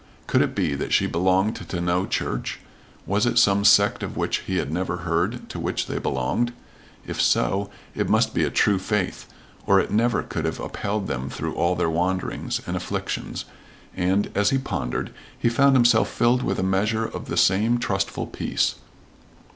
Could it be that she belonged to no church? Was it some sect of which he had never heard to which they belonged? If so, it must be a true faith, or it never could have upheld them through all their wanderings and afflictions, and, as he pondered, he found himself filled with a measure of the same trustful peace.